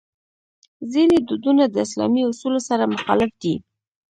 ځینې دودونه د اسلامي اصولو سره مخالف دي.